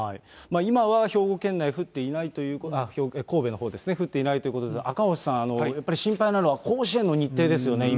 今は兵庫県内、降っていない、神戸のほうですね、降っていないということで、赤星さん、やっぱり心配なのは甲子園の日程ですよね、今。